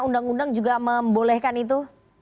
undang undang juga membolehkan itu